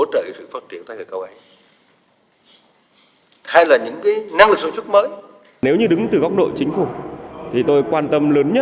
trong việc đề xuất về cải cách cơ cấu lại nền kinh tế